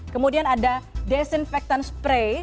kemudian ada desinfektan spray